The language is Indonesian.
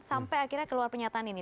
sampai akhirnya keluar pernyataan ini